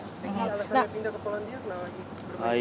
alasannya pindah ke polandia kenapa lagi